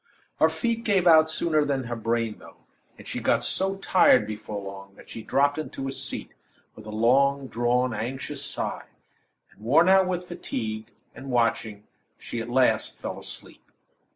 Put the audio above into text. Her feet gave out sooner than her brain, though; and she got so tired before long, that she dropped into a seat, with a long drawn, anxious sigh; and, worn out with fatigue and watching, she, at last, fell asleep.